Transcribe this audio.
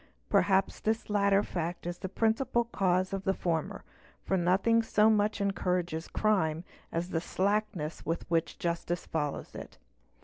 Perhaps this latter fact is the principal cause of the former ; for nothing so much encourages crime as the slackness with which justice follows it.